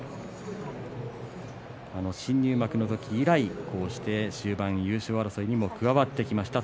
新入幕の時以来、こうして終盤に優勝争いにも関わってきました。